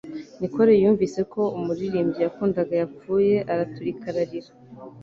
Nicole yumvise ko umuririmbyi yakundaga yapfuye, araturika ararira